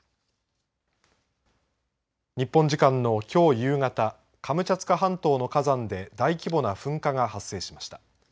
日本時間のきょう夕方カムチャツカ半島の火山で大規模な噴火が発生しました。